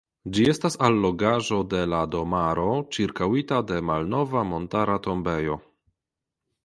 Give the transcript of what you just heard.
Ĝi estas allogaĵo de la domaro (ĉirkaŭita de malnova montara tombejo).